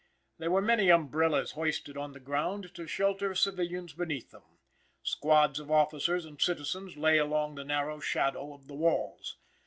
There were many umbrellas hoisted on the ground to shelter civilians beneath them. Squads of officers and citizens lay along the narrow shadow of the walls.